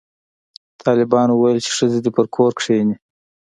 طالبانو ویل چې ښځې دې په کور کښېني